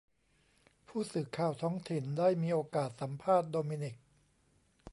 ผู้สื่อข่าวท้องถิ่นได้มีโอกาสสัมภาษณ์โดมินิก